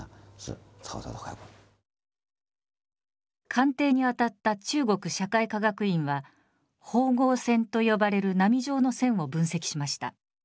鑑定にあたった中国社会科学院は「縫合線」と呼ばれる波状の線を分析しました。